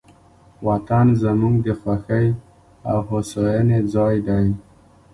وطن زموږ د خوښۍ او هوساینې ځای دی.